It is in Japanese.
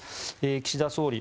岸田総理